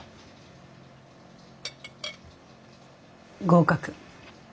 合格。